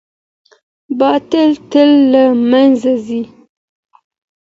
باطل تل له منځه ځي.